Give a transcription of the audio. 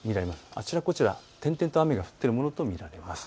あちらこちら点々と雨が降っているものと見られます。